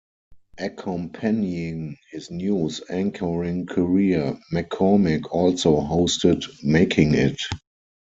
Accompanying his news anchoring career, McCormick also hosted Making It!